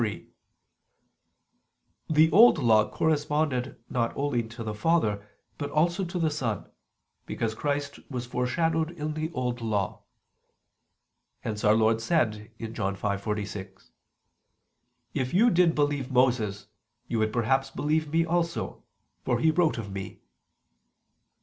3: The Old Law corresponded not only to the Father, but also to the Son: because Christ was foreshadowed in the Old Law. Hence Our Lord said (John 5:46): "If you did believe Moses, you would perhaps believe me also; for he wrote of Me."